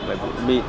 về bụi mịn